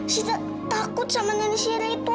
sita takut sama nenek siri itu